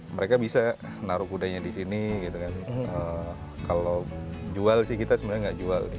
mereka bisa naruh kudanya di sini gitu kan kalau jual sih kita sebenarnya nggak jual nih